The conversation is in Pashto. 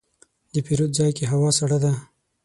د پیرود ځای کې هوا سړه ده.